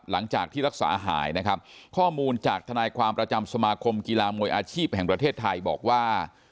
หลังจากที่รักษาหายนะครับข้อมูลจากทนายความประจำสมาคมกีฬามวยอาชีพแห่งประเทศไทยบอกว่า